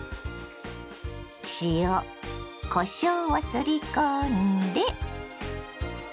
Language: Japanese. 塩こしょうをすり込んで。